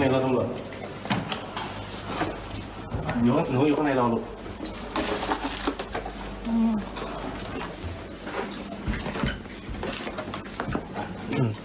นั่งลงนั่งลงนั่งลงยาเสพติดเป็นของใครของโอ้นค่ะของชวนชื่อโอ้น